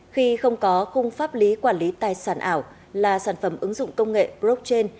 khi không có khung pháp lý quản lý tài sản ảo là sản phẩm ứng dụng công nghệ blockchain